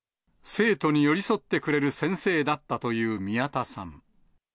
生徒に寄り添ってくれる先生だったという宮田さん。